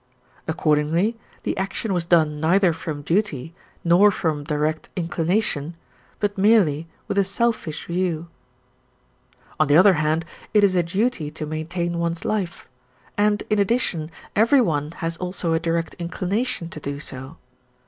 Accordingly the action was done neither from duty nor from direct inclination, but merely with a selfish view. On the other hand, it is a duty to maintain one's life; and, in addition, everyone has also a direct inclination to do so.